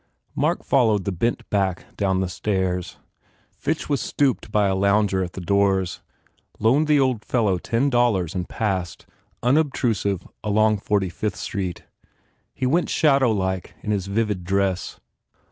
Mark followed the bent back down the stairs. Fitch was stopped by a lounger at the doors, loaned the old fellow ten dollars and passed, un obtrusive, along Forty Fifth Street. He went shadowlike in his vivid dress.